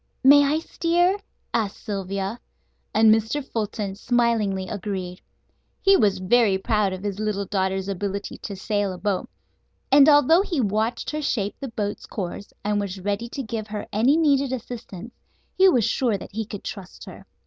"May I steer?" asked Sylvia, and Mr. Fulton smilingly agreed. He was very proud of his little daughter's ability to sail a boat, and although he watched her shape the boat's course, and was ready to give her any needed assistance, he was sure that he could trust her.